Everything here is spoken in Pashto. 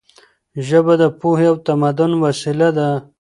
ژبه د پوهې او تمدن وسیله ده.